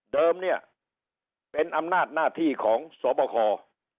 เดิมเนี่ยเป็นอำนาจหน้าที่ของสวบค